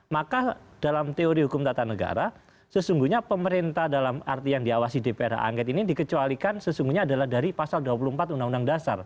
maka dalam teori hukum tata negara sesungguhnya pemerintah dalam arti yang diawasi dpr angket ini dikecualikan sesungguhnya adalah dari pasal dua puluh empat undang undang dasar